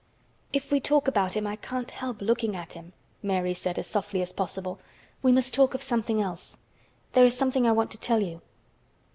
"If we talk about him I can't help looking at him," Mary said as softly as possible. "We must talk of something else. There is something I want to tell you."